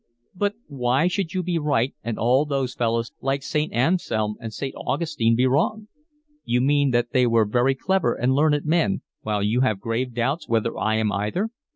"But why should you be right and all those fellows like St. Anselm and St. Augustine be wrong?" "You mean that they were very clever and learned men, while you have grave doubts whether I am either?"